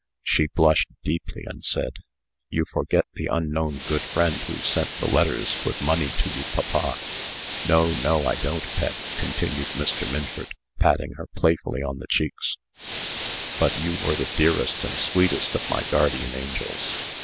She blushed deeply, and said: "You forget the unknown good friend who sent the letters with money to you, papa." "No, no, I don't, Pet," continued Mr. Minford, patting her playfully on the cheeks; "but you were the dearest and sweetest of my guardian angels.